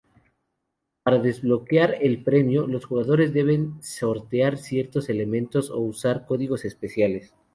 Para desbloquear el premio, los jugadores deben sortear ciertos elementos o usar códigos especiales.